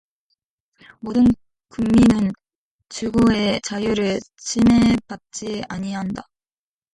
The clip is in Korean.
모든 국민은 주거의 자유를 침해받지 아니한다.